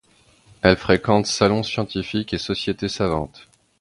Elle fréquente salons scientifiques et sociétés savantes.